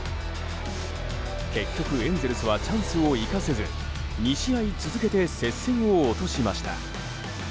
結局、エンゼルスはチャンスを生かせず２試合続けて接戦を落としました。